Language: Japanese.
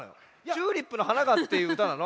「チューリップの花が」っていううたなの？